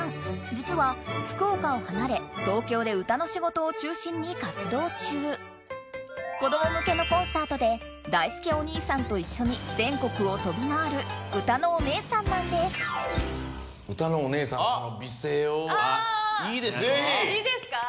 実は福岡を離れ東京で歌の仕事を中心に活動中子供向けのコンサートでだいすけお兄さんと一緒に全国を飛び回る歌のお姉さんなんですあいいですか？